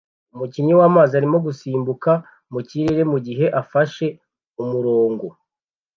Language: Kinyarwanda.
Umukinnyi wamazi arimo gusimbuka mu kirere mugihe afashe umurongo